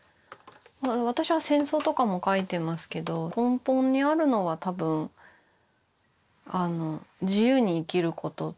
私は戦争とかも書いてますけど根本にあるのは多分自由に生きることとか。